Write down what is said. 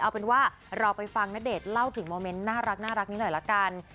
เอาเป็นว่าเราไปฟังณเดชน์เล่าถึงโมเมนต์น่ารักนี้หน่อยละกัน